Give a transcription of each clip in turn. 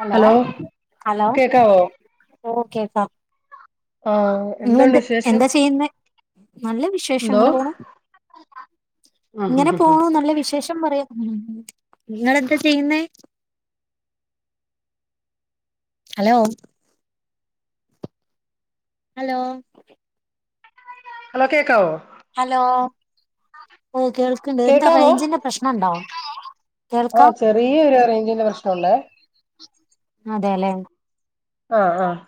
Hello hello കേക്കാവോ okay പ ആഹ് എന്തുണ്ട് നിങ്ങളെന്താ വിശേഷം എന്താ ചെയ്യ്ന്നെ നല്ല വിശേഷം എന്തോ അങ്ങനെ പോണു ആഹ് ആഹ് ഇങ്ങനെ ആഹ് പോണു നല്ല വിശേഷം പറ ഉം നിങ്ങളെന്താ ചെയ്യുന്നെ ഹലോ ഹലോ ഹലോ കേക്കാവോ ഹലോ ഓ കേൾക്ക്ണ്ട് എന്താ കേക്കാവോ റേഞ്ചിന്റെ പ്രശ്നണ്ടോ കേൾക്കാം ആഹ് ചെറിയൊരു റേഞ്ചിന്റെ പ്രശ്നം ഉണ്ടേ അതെ ല്ലേ ആഹ് ആഹ്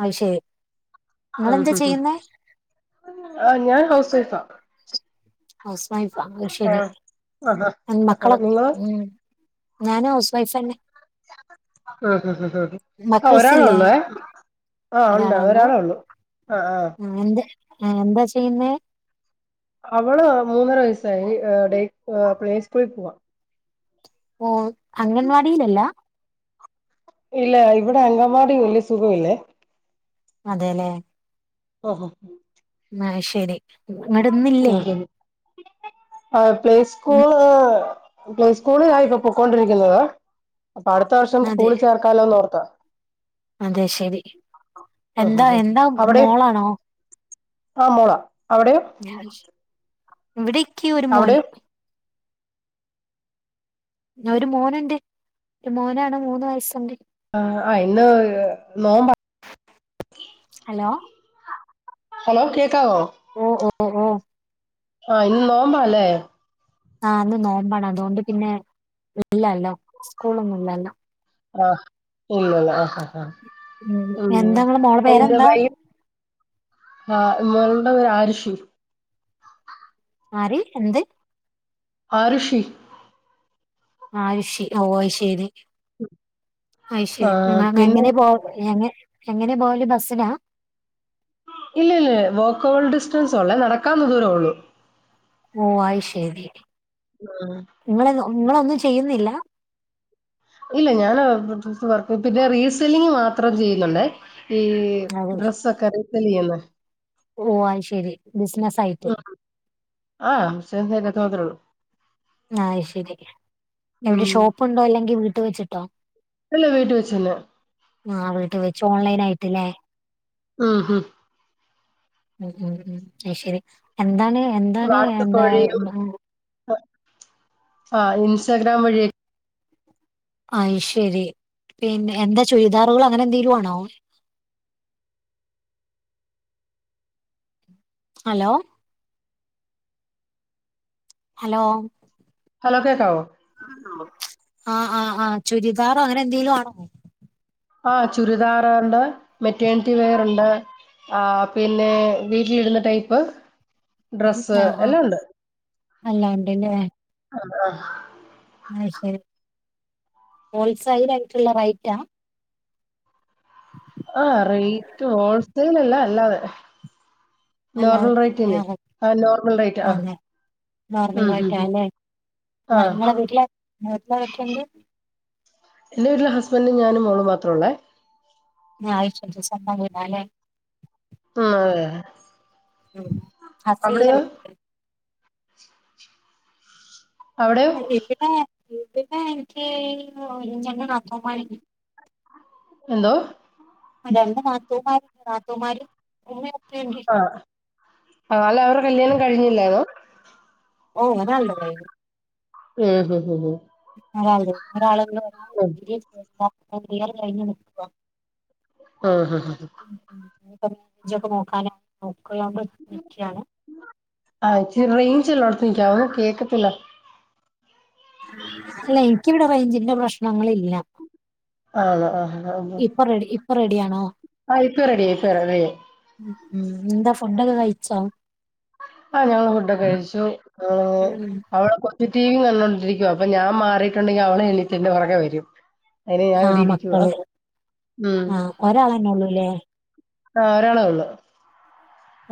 അത് ശരി ആഹ് നിങ്ങളെന്താ ആഹ് ചെയ്യുന്നേ ആഹ് ആഹ് ഞാൻ ഹൗസ് വൈഫാ. ഹൗസ് വൈഫ ആഹ് ശരി ആഹ് ആഹ് മക്കളൊക്കെ നിങ്ങള് ഉമ് ഞാനും ഹൗസ് വൈഫ് ന്നെ ആഹ് ഒരാള മക്കൾസില്ലേ ഉള്ളുവെ ആഹ് ഉണ്ട് ഒരാളൊള്ളൂ ഒരാളെ ഉള്ളൂ ആഹ് ആഹ് ആഹ് എന്താ ചെയ്യുന്നേ അവള് മൂന്നര വയസായി ഡേ പ്ലേ സ്കൂളിൽ പോവാ ഓഹ് അംഗൻവാടിയില ല്ല ഇല്ല ഇവിടെ അങ്കൻവാടി വല്ല്യ സുഖല്ലേ അതെല്ലേ ഓഹോ അഹ് ശരി എന്നിട്ട് ഇന്നില്ലേ ആഹ് പ്ലേ സ്കൂൾ പ്ലേ സ്കൂളിൽ ആയി പ്പം പോക്കൊണ്ടിരിക്കുന്നത് അപ്പൊ അടുത്ത വർഷം അതെ സ്കൂളിൽ ചേർക്കാലോന്ന് ഓർത്ത അതെ ശരി ഉം ഉം എന്താ എന്താ മോളാണോ ആഹ് മോള ആഹ് ശരി ഇവിടെ ക്ക് ഒരു മോന് അവിടെയോ ഒരു മോനുണ്ട് ഒരു മോനാണ് മൂന്ന് വയസ്സുണ്ട്. ആഹ് ഇന്ന് നോമ്പ. ഹലോ ഹലോ കേക്കാവോ ഓ ഓ ഓഹ് ആഹ് ഇന്ന് നോമ്പ അല്ലേ ആഹ് ഇന്ന് നോബാണ് അതുകൊണ്ട് പിന്നെ ഇല്ലല്ലോ സ്കൂളൊന്നുംല്ലല്ലോ ആഹ് ഇല്ലല്ല ആഹഹ ആഹ ഉം ആ എന്താ നിങ്ങളെ മോളെ അ എന്താ പേരെന്താ ഭയ ആ മോളുടെ പേര് ആരിഷി മാര് എന്ത് ആർഷി ആഹശി ഓ ശരി അയ് ആ ശരി പിന്നെ എങ്ങനെ പോ എ എങ്ങനെ പോല് ബസിനാ ഇല്ല ഇല്ല വോക്കൾഡ് ഡിസ്റ്റൻസ ഉള്ളേ നടക്കാന്ന് ദൂര ഉള്ളു ഓ ആയി ശരി ആഹ നിങ്ങളൊന്നും ചെയ്യുന്നില്ല ഇല്ല ഞൻ പിന്നെ റീസെല്ലിങ് മാത്രം ചെയ്യുന്നുണ്ട് ഈ അതെ ഡ്രസ് ഒക്കെ റീസല്ലിങ് ചെയ്യുന്നേ ഓ അ ശരി ഉ ആഹ് ബിസിനെസ് അതിനകത്തു മാത്രോള്ളു ആഹ ശരി എവിടെ ഷോപ്പ്ണ്ടോ അല്ലെങ്കിൽ വീട്ട് വെച്ചിട്ടോ ഇല്ല വീട്ട വെച്ചെന്നെ ആ അവളട്ട് വെച്ചു ഓൺലൈൻ ആയിട്ടല്ലേ? ആഹ ഹഹ ഉം ഉ ഉ ഉ അ ശരി എന്താണ് എന്താണ് എന്താന്ത ആ ഇൻസ്റ്റഗ്രാം വഴിയ ആയ് ശരി പിന്നെ എന്താ ചുരിദാറുകൾ അങ്ങനെ എന്തെിലും ആണോ [unintelligible] ഹലോ ഹലോ ഹലോക്കെ കോ ആഹ് ആഹ് ആഹ ചുരിദാറോ അങ്ങനെ എന്തെങ്കലും ആണോോ ആഹ ചുരിദാററണ്ട് മെറ്റേണത്തി വേറണ്ട് ആ പിന്നെ വീട്ടിലിടുന്ന ടൈപ്പ് ഡ്രസ്സ് എല്ലാം ഉണ്ട് അല്ല ഉണ്ടല്ലേ ആഹ ആഹ ആ ശരി ഹോൾസെൽ ആയിട്ടുള്ള റേറ്റാ ആഹ റേറ്റ് ഹോൾസെൽല്ല അല്ലാതെ അല്ലാതെ നോർമൽ റേറ്റ്െ ആ, ഓ, ആ നോർമൽ റേറ്റ് ആ അതെ ഉ നോർമൽ റൈറ്റാ അല്ലേ നിങ്ങളെ വീട്ടില വീട്ടില വക്കണ്ട് എന്റെറെ വീട്ടിലില് ഹസ്ബൻറും ഞാനും മോളും മാത്രമള്ളേ ഞ ആയിചണ്ട് സന്നതിന്നാലേ ആ ഉ ഹസി അവിടെയോ എവിടെ ഇവിടെ എനിക്ക് ആ പണ എന്തോ അ നാത്തോമാരി നാത്തോമാരി ആ ആാല അവരു കല്യാണം കഴിഞ്ഞില്ലായിന്നോ ഓ നല്ല കായി ഉ ഹ ഹ ഒരാള ഒരാള ഒരാൾ ഉം കഴിഞ്ഞ ആഹ് ഹഹ ക്ക നോക്കാന് ആ ഇ റേയിഞ്ച് അ ചോ കേക്കത്തില്ല അല്ല എനിക്കിവിടെ റേഞ്ചിന്റെ പ്രശ്നങ്ങളില്ല ആ ആ ഇപ്പൊ റെഡി ഇപ്പൊ റെഡിയാണോ ആ ഇപ്പൊ റെഡി ഇപ്പ റെഡിയാക്കി ഉം ഇന്താ ഫുഡൊക്കെ കയിച്ച ആഹ് ഞങ്ങള് ഫുഡൊക്കെ കഴിച്ചു അവിടെ കൊച്ച് ടി ണ്ടിരിക്ക അപ്പ ഞാൻ മാറിയിട്ടുണ്ടെങ്കിൽ അവളെ എഴണീത്തിന്റെ പുറകെ വരും അയിന് ഞാൻ ആ ഇവിടെ ഇരിക്കുവാ മക്കള് ആ ഒരാളെന്നെ ഉള്ളൂ അല്ലേ ആ ഒരാളെള്ളു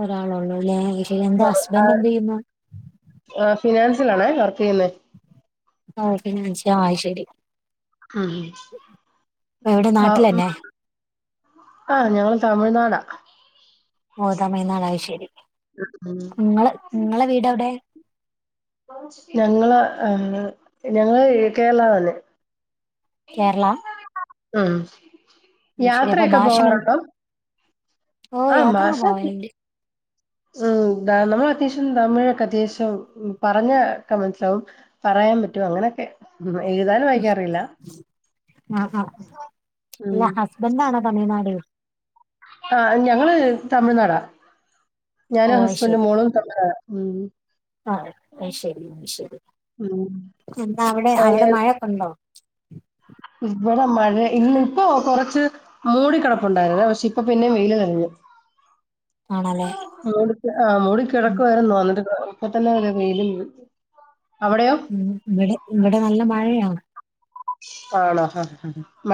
ഒരാളള്ളൂല്ലെ ആ ഫിനാൻസിലാണേ വർക്ക് ചെയ്യുന്ന ഓക്കൊ [unintelligible] ആയ് ശരി ഇവിടെ ആ ആ നാട്ടിലന്നെ ആ ഞങ്ങള് തമിഴ്നാടാ ഓ തമിഴ്നാടാ അയ്ശരി ഉം നിങ്ങള് നിങ്ങടെ വീട് എവിടെയാ ഞങ്ങള് ആഞങ്ങള് കേരള വാന്ന് കേരള ഉം അത് ശരി അപ്പൊ യാത്രയൊക്കെ ഭാഷ മന പോവാറുണ്ടോ ഓ ആ യാത്രയൊക്കെ മാസത്തി പോവലുണ്ട് ഉ നമ്മൾ അത്യാവശ്യം തമിഴൊക്കെ അത്യാവശ്യം പറഞ്ഞൊക്കെ മനസ്സിലാവും പറയാൻ പറ്റും പറ്റും അങ്ങനെയൊക്കെ ഉ എഴുതാലും വായിക്കാറില്ല ആഹ് ആ ഇല്ല ഹസ്ബെൻ് ആണോ തമിഴ് നാട് ആ ഞങ്ങള് തമിഴ്നാടാ ഞാൻ ഓ അത് ഹസ്ബൻഡും ശരി മോളും തമിഴ്നാടാ മ് ആ അയ് ശരിയ അയ്ശരി ഉം. എന്താ അവിടെ ആ, അവിടെ ഏ- മഴക്കെണ്ടോ ഇവിടെ മഴ ഇന്ന് ഇപ്പോ കൊറച്ച് മൂടിക്കിടപ്പുണ്ടായിരുന്ന പക്ഷേ ഇപ്പൊ പിന്നെ വെയില് ആണല്ലേ [unintelligible] മൂടിക്ക് ആ മൂടി ഉം കിടക്കുവായിരുന്നു വന്നിട്ട് ഇപ്പ തന്ന വെയിലും അവിടെയോ ഉം ഇവിടെ ഇവിടെ നല്ല മഴയാ ആണോ ഹാ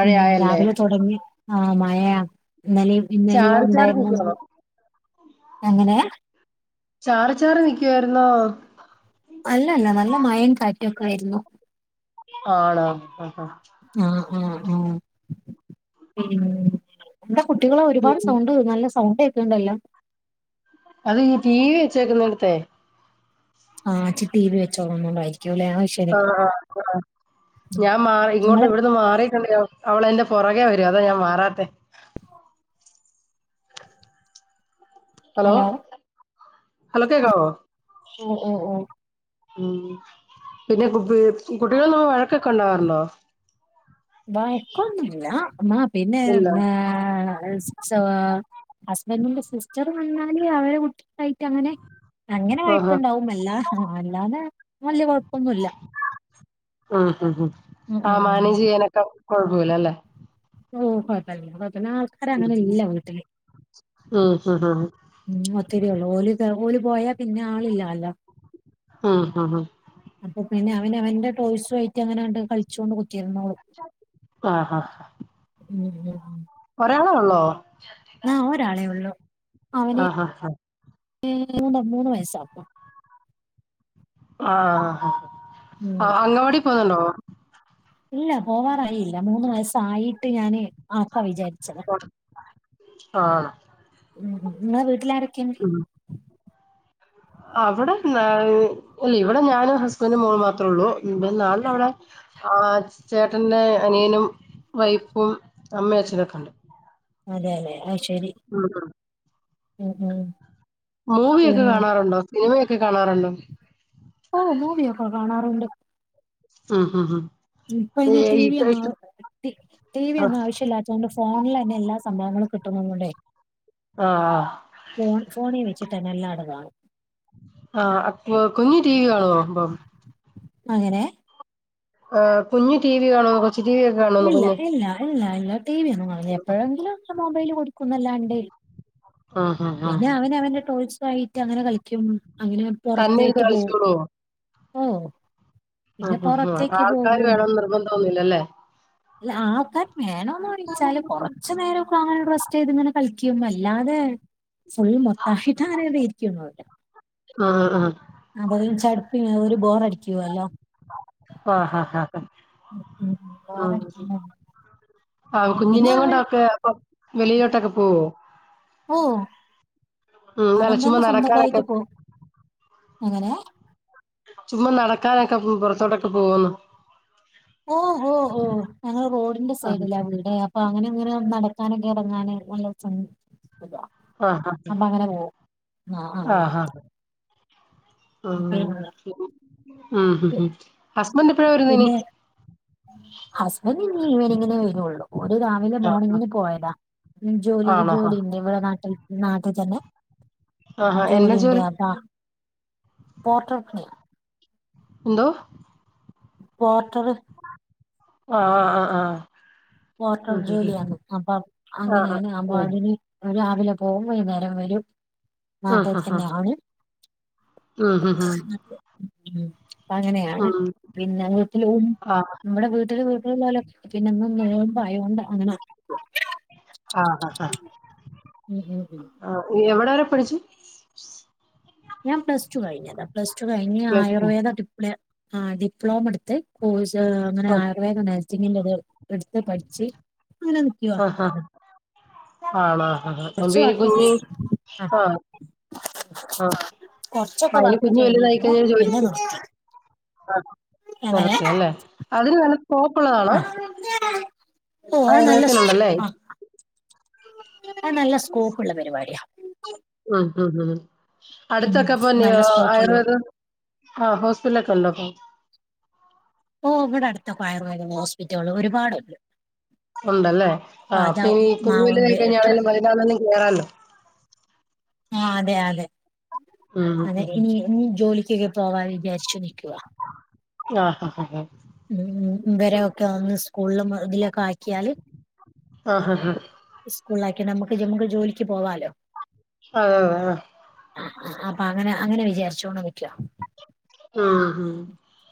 ഉം രാവിലെ തുടങ്ങി ആ മഴയാ ഇന്നലെയും ഇന്നലെയോ ചാറി ചാറി ഉണ്ടായിരുന്നു നിൽക്കുവാണോ അങ്ങനെയാ ചാറ് ചാറ് നിക്കുവായിരുന്നോ അല്ലല്ല നല്ല മയയും കാറ്റും ഒക്കെ ആയിരുന്നു ആണോ ആ ആ ആ ആ എന്റെ കുട്ടികളെ ഒരുപാട് ഉം. സൗണ്ട് നല്ല സൗണ്ടേക്കണ് ണ്ടല്ലോ അത് ഈ ടി വി വെച്ചേക്കുന്നിടുത്തെ ആഹ് ചി ടി വി വെച്ചോന്നണ്ടായിരികും ആ ആ ഞാൻ മാറി ഇങ്ങോട്ട് നിങ്ങള് ഇവിടുന്ന് മാറി അവളെന്റെ പുറകേ വര്കാ അതാ ഞാൻ മാറാത്തെ ഹലോ ഹലോ കേക്കാവോ ഓഹ് ഓഹ് ഓഹ് ഉം പിന്നെ കു കുട്ടികള്ളോന്നും വഴക്കൊക്കെ ഉണ്ടാവാറുണ്ടോ വഴക്കോന്നില്ല ആ പിന്നെ ഇല്ല എന്നാ റ്റവാ ഹസ്ബന്റിന്റെ സിസ്റ്റർ വന്നാല് അവരെ കുട്ടികായിട്ട് അങ്ങനെ അങ്ങനെ ആഹാ. വഴക്കണ്ടാവുംന്നല്ല അല്ലാതെ വല്യായ കൊഴപ്പൊന്നുല്ല ഉം ഉം ഉം ആ ഉം മാനേജ് ഉം ചെയ്യാനൊക്കെ കൊഴപ്പിലല്ലേ ഓ കൊഴപ്പല്ല പിന്ന ആൾക്കാരെ അങ്ങനെ എല്ലാ വീട്ടിലും ഉം ഹ് ഹ് ഉമ് ഒത്തിരിയള്ളു ഓല് താ ഓല് പോയാ പിന്നെ ആളില്ല ല്ലോ ആഹ്‌ ആഹ് പിന്നെ അവൻ അവന്റെ ടോയ്സു ആയിട്ട് അങ്ങനണ്ട് കളിചോണ്ട് കു ട്ടിരുന്നോളും ഉമ് ഉമ് ഒരാളേ ഉള്ളോ? ന്നാ ഒരാളെ ഉള്ളു അവന് ആഹ് ഹാ ഹാ ഉമ് മൂന്ന് മൂന്ന് വയസാവ ആഹ് ആഹ് ആഹ് അങ്ങവാടി പോന്നുണ്ടോ? ഇല്ല പോവാറായില്ല മൂന്ന് വയസ് പായിട്ട് ഞാന് ആക്ക വിചാരിച്ചത ആണോ ഉമ് ഉമ് നിങ്ങളെ വീട്ടിലാരൊക്കെയിണ്ട് അവടെ ന്നാൽ ല്ലേ ഇവിടെ ഞാനും ഹസ്ബൻഡും മോളും മാത്ര ഉള്ളൂ [unintelligible] ആഹ് ചേട്ടന്റെ അനിയനും വൈഫും അമ്മ അച്ഛനൊക്കെ ഉണ്ട് അതെല്ലേ അയ് ആഹ് ആഹ് ഉമ് ഉമ് മൂവിയൊക്കെ കാണാറുണ്ടോ സിനിമയൊക്കെ കാണാറുണ്ടോ ഓഹ് മൂവിയൊക്കെ കാണാറുണ്ട് ആഹ് ആഹ് ആഹ് ഇപ്പഅയിന് ടി വി ഒന്നും ടി ടി വി ഒന്നും ആവശ്യല്ലച്ചാല് ഫോണിലന്നെ എല്ലാ സംഭവങ്ങളും കിട്ടുന്നുള്ളോണ്ടേ ആഹ് ഫോൺ ഫോണി ചിട്ട് എല്ലാടുവാങ്ങും ആഹ് കു കുഞ്ഞ് ടി വി കാണോ ഇപ്പം അങ്ങനെ ആഹ് കുഞ്ഞ് ടി വി കാണോന്ന് കൊച്ചി ടി വി ഒക്കെ കാണോന്ന് ഇല്ല കുഞ്ഞ് ഇല്ല ഇല്ല ഇല്ല ടി വി ഒന്നും കാണുല്ല എപ്പോഴെങ്കിലും മൊബൈല് കൊടുക്കുന്നല്ലാണ്ട് ആഹ് ആഹ് പിന്നെ ആഹ് അവന് അവന്റെ ടോയ്സോ ആയിട്ട് അങ്ങനെ കളിക്കും അങ്ങനെ തന്നെ പൊറത്ത്യാട്ട് ഇരുന്ന് പോവും കളിച്ചോളോ ഓഹ് ആഹ് ആഹ് ആൾക്കാര് വേണന്ന് നിർബന്ധൊന്നില്ലല്ലേ അല്ല ആൾക്കാർ വേണോന്ന് വെച്ചാല് കൊറച്ച് നേരൊക്കെ അങ്ങനെ റെസ്റ്റെയ്ത് ഇങ്ങനെ കളിക്കും ക്കും അല്ലാതെ ഫുൾ മൊത്താഹിദാ [unintelligible] ഇരിക്കൊന്നില്ല ആഹ് ആഹ് ആ [unintelligible] ഒരു ബോറടിക്കുവല്ലോ ആഹ് ആഹ് ആഹ് ഉം ആഹ് ബോറടിക്കുല്ലേ ആഹ് കുഞ്ഞിനേം കൊണ്ടോക്കെ വെളിയിലോട്ടൊക്കെ പോവോ പോവും ഉം അല്ല അവൻ ചുമ്മാ തന്നെ നടക്കാനൊക്കെ സ്വന്തക്കായിട്ട് പോവും എങ്ങനെ ചുമ്മാ നടക്കാനൊക്കെ പൊ പുറത്തോട്ടൊക്കെ പോവോന്ന് ഓഹ് ഓഹ് ഓഹ് ഞങ്ങള് റോഡിന്റെ ആഹ് സൈഡിലാ അവ്ടേ അപ്പം അങ്ങനെങ്ങനെ നട ക്കാനൊക്കെ ഇറങ്ങാന് നല്ലൊ ച ആഹ് അപ്പൊ അങ്ങനെ പോവും ആഹ് ആഹ് ആഹ് അഹ് ഉം ഹും പിന്നെ ഹും ഹസ്ബൻ്റ് എപ്പഴാ വരുന്നിനി പിന്നെ ഈവനിങിനേ വരുള്ളൂ ഓര് രാവിലെ ആഹ് മോർണിങ്ങിന് പോയതാ. ജോലി ആണോ ജോലി ആഹ് ഉണ്ട് ഇവിടെ നാട്ടിൽ നാട്ടി തന്നെ ആഹ് എന്നാ ജോലിണ്ട് ജോലി അതാ പോട്ടർ പണിയ എന്തോ പോട്ടറ് ആഹ് ആഹ് ആഹ് വോട്ടർ ആഹ് ഉം ജോലിയാണ് അപ്പം ആഹ് അങ്ങനെയാണ് അപ്പൊ അതിന് രാവിലെ പോവും വൈകുന്നേരം വരും നാട്ടിൽ ആഹ് ആഹ് ആഹ് തന്നെ ആണ് ആഹ് ഹഹ അപ്പം അങ്ങനെയാണ് പിന്നെ വീട്ടില് ഊ ആഹ് നമ്മടെ വീട്ടില് വീ പോല് പിന്നങ്ങ് നോമ്പായോണ്ട് അങ്ങനെ ആ ആ ഉം ഉം ഉം ആ എവിടെവരെ പഠിച്ച് ഞാൻ പ്ലസ് ടു കഴിഞ്ഞതാ പ്ലസ് ടു കഴിഞ്ഞ് പ്ലസ് ടു ആയുർവേദ ടിപ്ലേ ആഹ് ഡിപ്ലോമ എടുത്ത് കോഴ്സ് അങ്ങനെ ആഹ് ആയുർവേദ നേഴ്സിങ്ങന്റെത് എടുത്ത് പഠിച്ച് അങ്ങനെ നിക്കുവ ആഹ് ആഹ് ആണോ ഹ ഹ ഭവ്യേം കുഞ്ഞും ആ ആഹ് ആഹ് കൊറച്ചൊക്കെ അയിന് വർക്ക് കുഞ്ഞ് വലുതായി ചെയ്തിരുന്നു കഴിഞ്ഞ ഞാൻ പിന്നെ ജോലിക്ക് നിർത്തി അ വറക്ക അല്ലേ അതിന് [unintelligible] ഉള്ളതാണോ ആഹ് ആയുർവേദത്തിനുണ്ടല്ലേ അത് നല്ല സ്കോപ്പ് ഉള്ള പരിപാടിയാ ആഹ് ആഹ് ആഹ് ഉം അടുത്തൊക്കെ അപ്പം നാ നല്ല സ്കോപ്പുള്ള ആയുർവേദ ആ ഹോസ്പിറ്റലൊക്കെ ഉണ്ടോ അപ്പൊ ഓ ഇവിടെ അടുത്താ ഇപ്പം ആയുർവേദ ഹോസ്പിറ്റല് ഒരുപാടുണ്ട് ഉണ്ടല്ലേ ആ അപ്പൊ അതാ അപ്പം ഇനീ ആ ഉണ്ട് [unintelligible] കഴിഞ്ഞാണേലും [unintelligible] ആണേലും കേറാല്ലോ ആ അതെ അതെ അതെ ഉം ഇനി ഇനി ജോലിക്കൊക്കെ പോവാ വിചാരിച്ചു നിക്കുവാ ആഹ് ഹ ഹ ഹ അതിലൊക്കെ ആക്കിയാല് ആഹ് ഹ ഹ സ്കൂളിൽ ആക്കിയ നമുക്ക് ജുമ്മുക്ക് ജോലിക്ക് പോവാലോ അതെ അതെ അ അപ്പം അങ്ങനെ അങ്ങനെ വിചാരിച്ചോണ്ട് നിക്കുവാ ഉം ഹും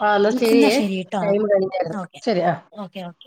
ആ എന്നാ ശെരിയേ ടൈം കഴിഞ്ഞാര്ന്ന് ഓക്കെ ശെരി ആ ഓക്കെ ഓക്കെ